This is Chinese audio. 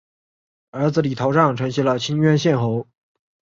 儿子李桃杖承袭了清渊县侯。